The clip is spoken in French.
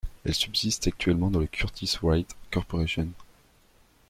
Elle subsiste actuellement dans la Curtiss-Wright Corporation.